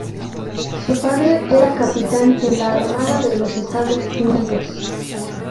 Su padre era capitán en la Armada de los Estados Unidos.